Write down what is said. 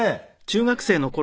中学生の頃？